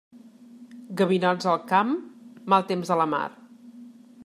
Gavinots al camp, mal temps a la mar.